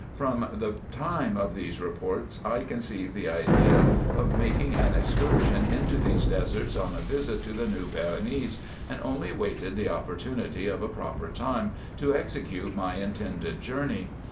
From the time of these reports I conceived the idea of making 298 RESEARCHES AND OPERATIONS an excursion into these deserts on a visit to the new Berenice, and only waited the opportunity of a proper time, to execute my intended journey.